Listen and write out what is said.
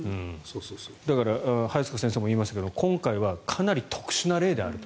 だから、早坂先生も言いましたけど今回はかなり特殊な例であると。